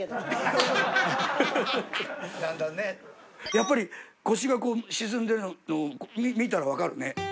やっぱり腰が沈んでるの見たらわかるね。